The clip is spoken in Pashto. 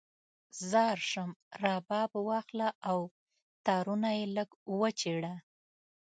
ځار شم، رباب واخله او تارونه یې لږ وچیړه